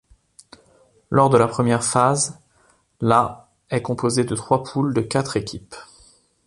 Lors de la première phase, la est composée de trois poules de quatre équipes.